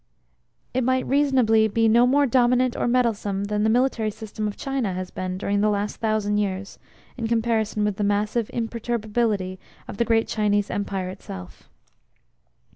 It right reasonably be no more dominant or meddlesome than the military system of China has been during the last thousand years in comparison with the massive imperturbability of the great Chinese Empire itself.